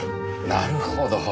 なるほど。